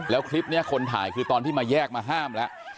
แล้วคลิปนี้คนถ่ายคือตอนที่มาแยกมาห้ามแล้ว